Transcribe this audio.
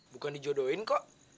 bukan dijodohin kok